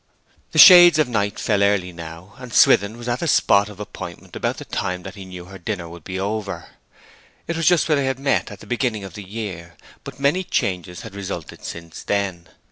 The shades of night fell early now, and Swithin was at the spot of appointment about the time that he knew her dinner would be over. It was just where they had met at the beginning of the year, but many changes had resulted since then.